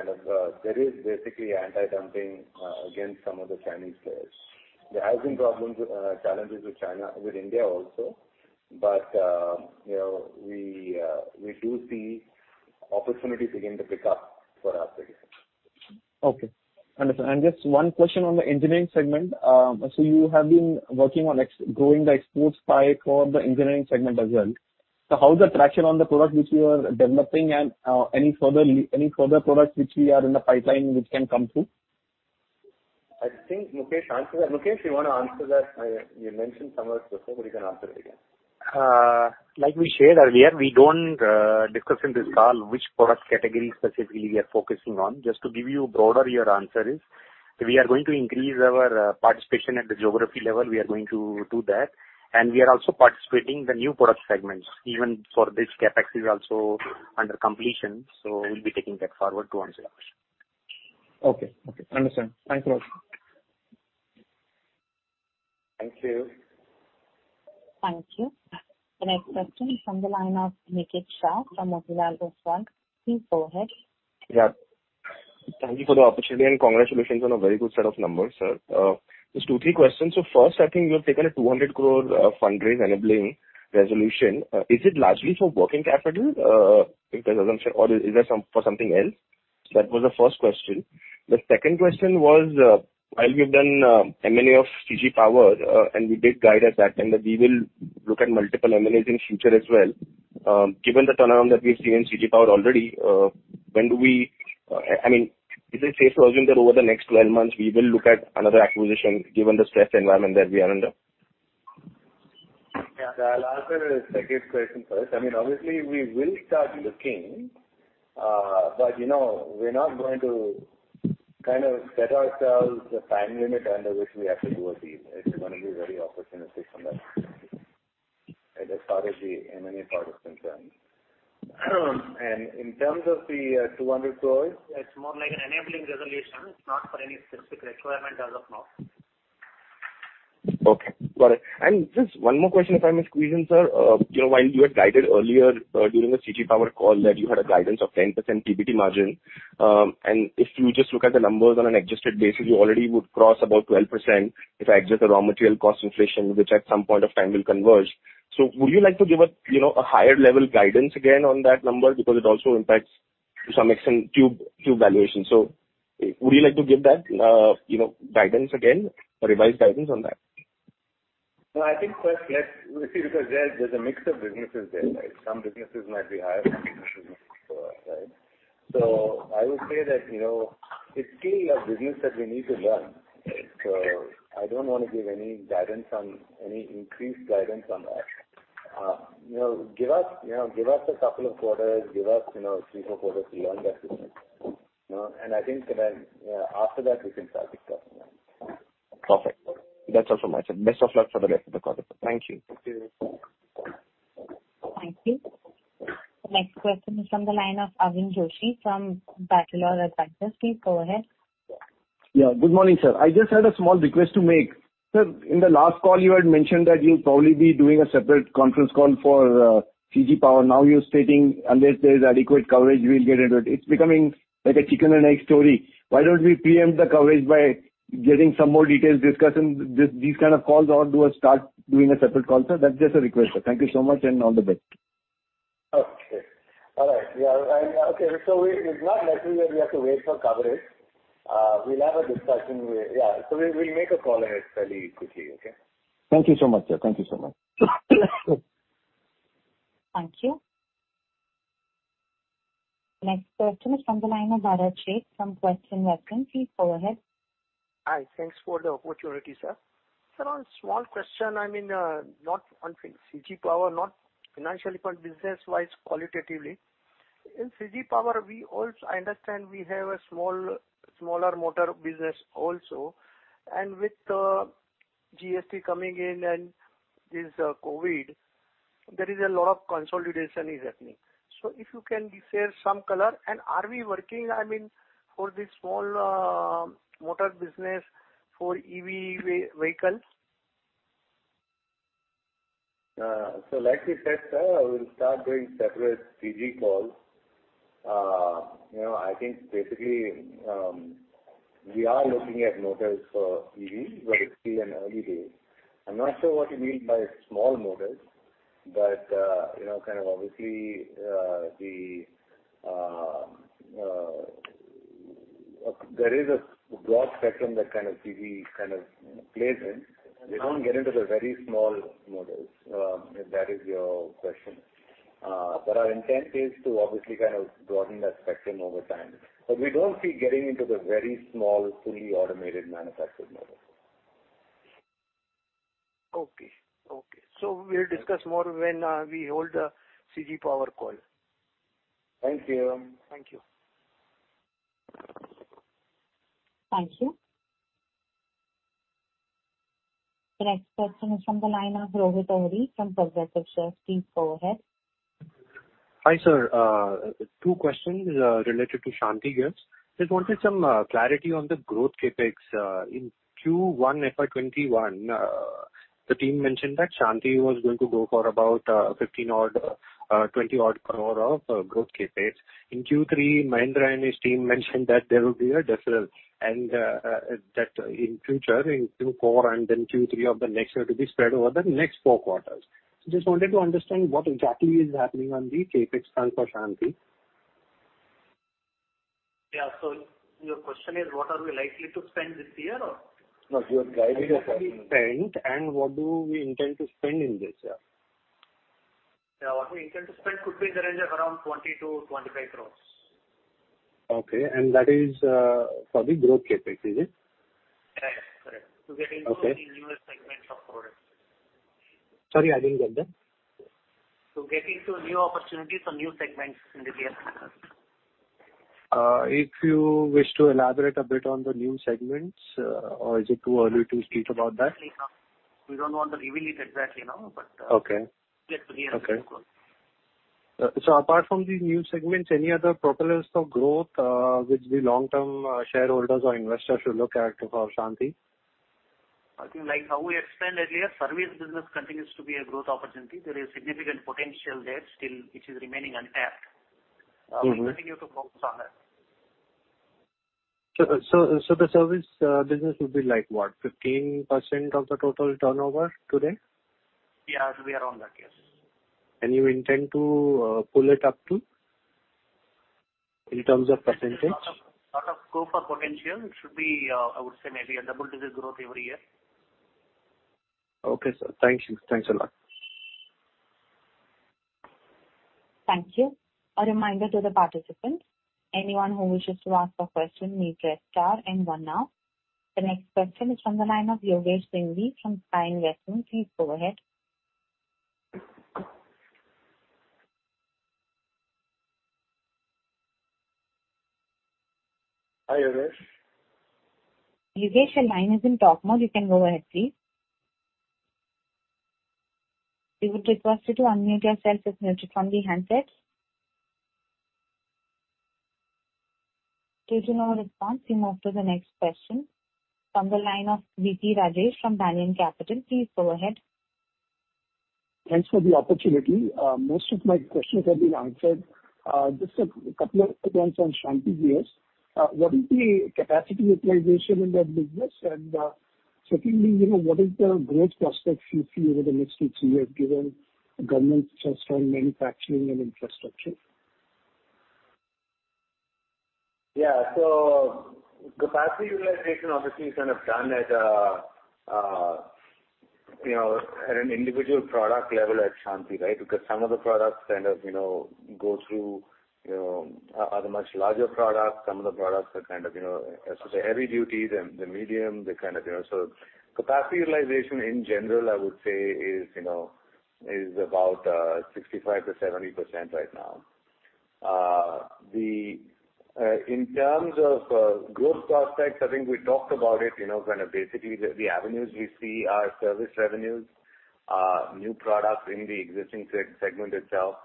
Speaker 3: There is anti-dumping against some of the Chinese players. There have been challenges with India also. We do see opportunities begin to pick up for our segment.
Speaker 2: Okay. Understood. Just 1 question on the engineering segment. You have been working on growing the exports pie for the engineering segment as well. How is the traction on the product which you are developing and any further products which are in the pipeline which can come through?
Speaker 3: I think Mukesh Ahuja answered that. Mukesh Ahuja, do you want to answer that? You mentioned some of it before, you can answer it again.
Speaker 7: Like we shared earlier, we don't discuss in detail which product category specifically we are focusing on. Just to give you a broader answer is, we are going to increase our participation at the geography level, we are going to do that. We are also participating in the new product segments, even for this CapEx is also under completion, so we'll be taking that forward to answer your question.
Speaker 2: Okay. Understood. Thank you.
Speaker 3: Thank you.
Speaker 1: Thank you. The next question is from the line of Nikunj Shah from Edelweiss. Please go ahead.
Speaker 14: Yeah. Thank you for the opportunity and congratulations on a very good set of numbers, sir. Just two, three questions. First, I think you have taken a 200 crore fundraising enabling resolution. Is it largely for working capital, in terms of, or is that for something else? That was the first question. The second question was, you've done M&A of CG Power, and you did guide us that you will look at multiple M&As in future as well. Given the turnaround that we see in CG Power already, is it safe to assume that over the next 12 months, we will look at another acquisition given the stress environment that we are under?
Speaker 3: Yeah, I'll answer the second question first. Obviously, we will start looking, but we're not going to set ourselves the time limit under which we have to do a deal. It's going to be very opportunistic from that perspective, as far as the M&A part is concerned. In terms of the 200 crores, it's more like an enabling resolution. It's not for any specific requirement as of now.
Speaker 14: Okay, got it. Just one more question if I may squeeze in, sir. While you had guided earlier during the CG Power call that you had a guidance of 10% PBT margin, if you just look at the numbers on an adjusted basis, you already would cross about 12% if I adjust the raw material cost inflation, which at some point of time will converge. Would you like to give a higher level guidance again on that number? Because it also impacts to some extent Tube valuations. Would you like to give that revised guidance on that?
Speaker 3: No, I think first let's see, because there's a mix of businesses there, right? Some businesses might be higher than others, right? I would say that it's still a business that we need to run. I don't want to give any increased guidance on that. Give us two quarters, give us three, four quarters to learn that business. I think then after that we can start discussing on that.
Speaker 14: Perfect. That's all from my side. Thanks for the call.
Speaker 3: Thank you.
Speaker 1: Thank you. The next question is from the line of Avinash Joshi from Batlivala & Karani Securities. Please go ahead.
Speaker 15: Yeah, good morning, sir. I just had a small request to make. Sir, in the last call, you had mentioned that you'll probably be doing a separate conference call for CG Power. Now you're stating unless there's adequate coverage, we'll get into it. It's becoming like a chicken and egg story. Why don't we preempt the coverage by getting some more details, discussing these kind of calls or do a start doing a separate call, sir? That's just a request, sir. Thank you so much, and all the best.
Speaker 3: Okay. All right. It's not necessary we have to wait for coverage. We'll have a discussion. We'll make a call on it fairly quickly, okay?
Speaker 15: Thank you so much, sir.
Speaker 1: Thank you. Next question is from the line of Bharat Sheth from Quest Investment Advisors. Please go ahead.
Speaker 16: Hi, thanks for the opportunity, sir. Sir, one small question, on CG Power, not financially, but business-wise, qualitatively. In CG Power, I understand we have a smaller motor business also, and with GST coming in and this COVID, there is a lot of consolidation is happening. If you can share some color, and are we working, for the small motor business for EV vehicles?
Speaker 3: Like we said, sir, we'll start doing separate CG calls. I think basically, we are looking at motors for EV, but it's still in early days. I'm not sure what you mean by small motors, but obviously there is a broad spectrum that kind of CG plays in. We don't get into the very small motors, if that is your question. There are intentions to obviously broaden that spectrum over time, but we don't see getting into the very small fully automated manufactured motors.
Speaker 16: Okay. We'll discuss more when we hold a CG Power call.
Speaker 3: Thank you.
Speaker 16: Thank you.
Speaker 1: Thank you. The next question is from the line of Rohit Tari from Proshare. Please go ahead.
Speaker 17: Hi, sir. Two questions related to Shanthi Gears. Just wanted some clarity on the growth CapEx in Q1 FY 2021. The team mentioned that Shanthi was going to go for about 15 or 20 odd crore of growth CapEx. In Q3, Mahendra and his team mentioned that there will be a deferral, and that in future, in Q4 and then Q3 of the next year to be spread over the next four quarters. Just wanted to understand what exactly is happening on the CapEx front for Shanthi.
Speaker 3: Yeah. Your question is what are we likely to spend this year?
Speaker 17: What your guidance is for spend, and what do we intend to spend in this year?
Speaker 3: Yeah. What we intend to spend could be in the range of around 20-25 crores.
Speaker 17: Okay. That is for the growth CapEx, is it?
Speaker 3: Correct. To get into the newer segments of products.
Speaker 17: Sorry, I didn't get that.
Speaker 3: To get into new opportunities for new segments in the year ahead.
Speaker 17: If you wish to elaborate a bit on the new segments or is it too early to speak about that?
Speaker 3: We don't want to reveal it exactly now.
Speaker 17: Okay.
Speaker 3: Yes, we are good.
Speaker 17: Apart from the new segments, any other propellers of growth which the long-term shareholders or investors should look at for Shanthi?
Speaker 3: I think like how we explained that service business continues to be a growth opportunity. There is significant potential there. Still, it is remaining untapped. We continue to focus on that.
Speaker 17: The service business would be like what, 15% of the total turnover today?
Speaker 3: Yeah, it'll be around that. Yes.
Speaker 17: You intend to pull it up to? In terms of percentage.
Speaker 3: Lot of scope of potential. It should be, I would say maybe a double-digit growth every year.
Speaker 17: Okay, sir. Thank you. Thanks a lot.
Speaker 1: Thank you. A reminder to the participants, anyone who wishes to ask a question, you press star and one now. The next question is on the line of Yogesh Singhvi from Prime Research. Please go ahead.
Speaker 3: Hi, Yogesh.
Speaker 1: Yogesh, your line is on talk mode. You can go ahead, please. If you would be kindly unmute yourself, it's muted from the handset. Since you're not responding, I'll move to the next question. From the line of V.P. Rajesh from Banyan Capital. Please go ahead.
Speaker 18: Thanks for the opportunity. Most of my questions have been answered. Just a couple of questions on Shanthi Gears. What is the capacity utilization in that business? Secondly, what is the growth prospects you feel over the next six years, given government's stress on manufacturing and infrastructure?
Speaker 3: Capacity utilization, obviously, is kind of done at an individual product level at Shanthi, right? Because some of the products go through other much larger products, some of the products are heavy duty, the medium. Capacity utilization in general, I would say is about 65%-70% right now. In terms of growth prospects, I think we talked about it, basically the avenues we see are service revenues, new products in the existing segment itself.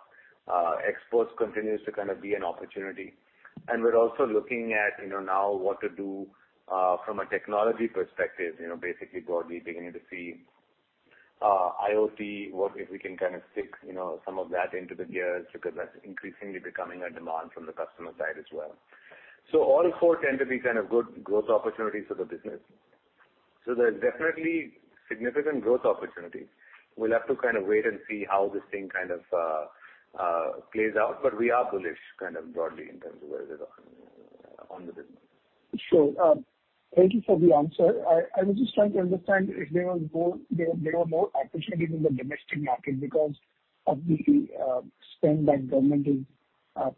Speaker 3: Exports continues to be an opportunity. We're also looking at now what to do from a technology perspective, basically what we're beginning to see. IoT, what if we can stick some of that into the gears because that's increasingly becoming a demand from the customer side as well. All four tend to be good growth opportunities for the business. There's definitely significant growth opportunity. We'll have to wait and see how this thing plays out, but we are bullish broadly in terms of where we are on the business.
Speaker 18: Sure. Thank you for the answer. I was just trying to understand if there are more opportunities in the domestic market because of the spend that government is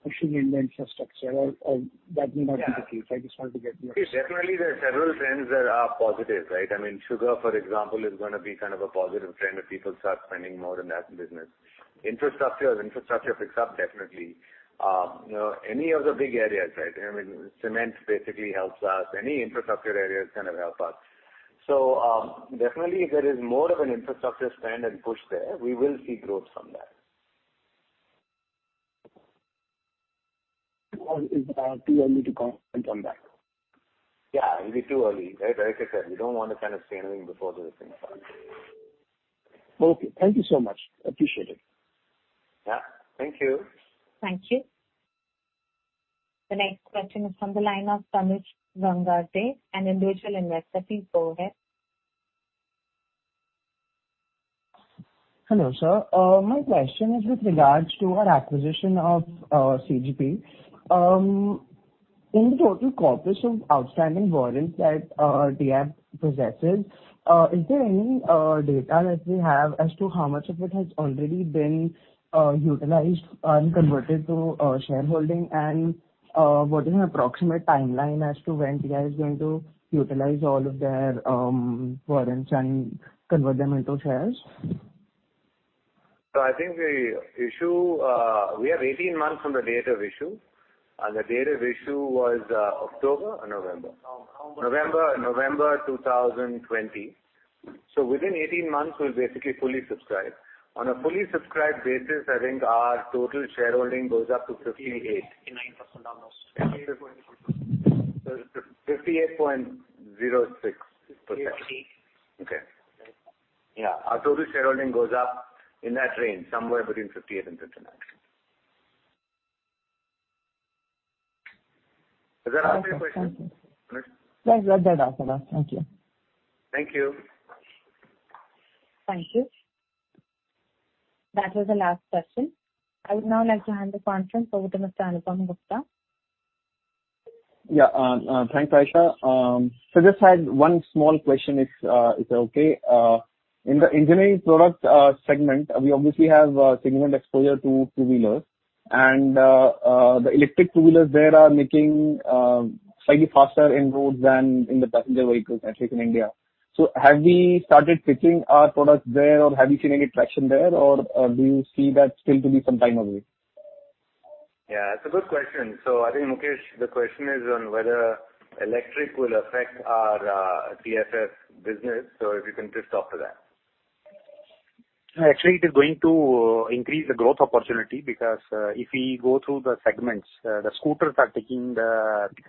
Speaker 18: pushing in infrastructure or that may not be the case.
Speaker 3: Yeah. Definitely, there are several trends that are positive, right? Sugar, for example, is going to be a positive trend if people start spending more in that business. Infrastructure picks up definitely. Any of the big areas. Cement basically helps us. Any infrastructure areas help us. Definitely, if there is more of an infrastructure spend and push there, we will see growth from that.
Speaker 18: Is that too early to call and come back?
Speaker 3: Yeah, it'll be too early. Right. We don't want to say anything before those things happen.
Speaker 18: Okay. Thank you so much. Appreciate it.
Speaker 3: Yeah. Thank you.
Speaker 1: Thank you. The next question is from the line of Tamij Gangate, Anindya Investment. Please go ahead.
Speaker 19: Hello, sir. My question is with regards to our acquisition of CGP. In total corpus of outstanding warrants that TI possesses, is there any data that we have as to how much of it has already been utilized and converted to shareholding? What is an approximate timeline as to when TI is going to utilize all of their warrants and convert them into shares?
Speaker 3: I think we have 18 months from the date of issue, and the date of issue was October or November?
Speaker 20: November.
Speaker 3: November 2020. Within 18 months, we'll basically fully subscribe. On a fully subscribed basis, I think our total shareholding goes up to 58.
Speaker 20: 59% almost.
Speaker 3: 58.06%. Okay. Yeah. Our shareholding goes up in that range, somewhere between 58% and 59%. Is there any other question?
Speaker 19: That's all, thank you.
Speaker 3: Thank you.
Speaker 1: Thank you. That was the last question. I would now like to hand the conference over to Mr. Anupam Gupta.
Speaker 2: Yeah. Thanks, Aisha. Just had one small question, if it's okay. In the engineering products segment, we obviously have segment exposure to two-wheelers, and the electric two-wheelers there are making slightly faster inroads than in the passenger vehicles, I think, in India. Have we started pitching our products there or have you seen any traction there, or do you see that still to be some time away?
Speaker 3: Yeah, it's a good question. I think, Mukesh, the question is on whether electric will affect our TFS business. If you can please talk to that.
Speaker 7: Actually, it is going to increase the growth opportunity because if we go through the segments, the scooters are taking the first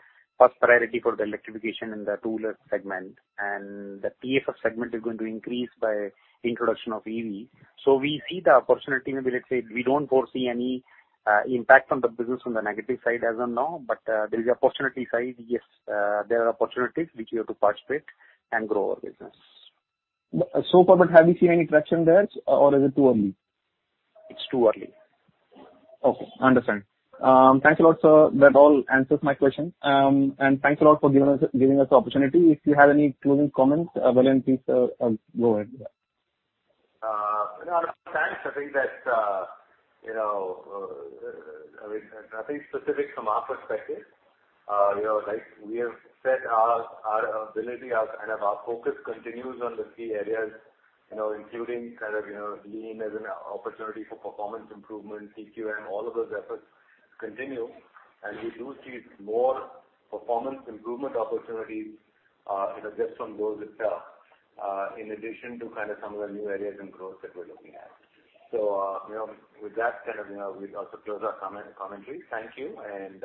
Speaker 7: priority for the electrification in the two-wheelers segment, and the TFS segment is going to increase by introduction of EVs. We see the opportunity, we don't foresee any impact on the business on the negative side as of now, but there is opportunity side. Yes, there are opportunities which we have to participate and grow our business. So far, but have you seen any traction there, or is it too early? It's too early. Okay, understand. Thank you all, sir. That all answers my question. Thank you all for giving us the opportunity. If you have any closing comments, well and please, go ahead.
Speaker 3: Thanks. I think nothing specific from our perspective. We have set our ability, our focus continues on the key areas, including lean as an opportunity for performance improvement, TQM, all of those efforts continue, and we do see more performance improvement opportunities just on those itself, in addition to some of the new areas and growth that we're looking at. With that, we also close our commentary. Thank you, and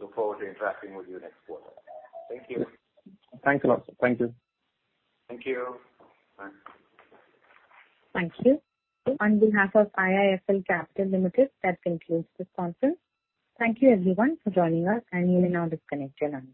Speaker 3: look forward to interacting with you next quarter. Thank you.
Speaker 2: Thanks a lot. Thank you.
Speaker 3: Thank you. Bye.
Speaker 1: Thank you. On behalf of IIFL Capital Limited, that concludes this conference. Thank you everyone for joining us, and you may now disconnect your lines.